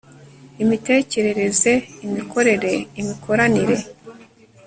imitekerereze, imikorere, imikoranire